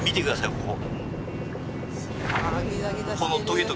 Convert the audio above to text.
ここ。